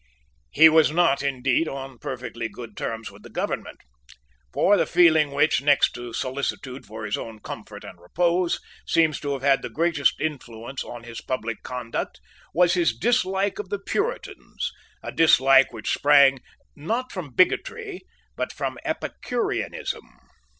He was not, indeed, on perfectly good terms with the government. For the feeling which, next to solicitude for his own comfort and repose, seems to have had the greatest influence on his public conduct, was his dislike of the Puritans; a dislike which sprang, not from bigotry, but from Epicureanism.